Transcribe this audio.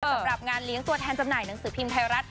สำหรับงานเลี้ยงตัวแทนจำหน่ายหนังสือพิมพ์ไทยรัฐ